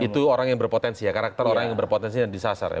itu orang yang berpotensi ya karakter orang yang berpotensi dan disasar ya